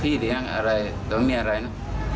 เลี้ยงอะไรตรงนี้อะไรนะ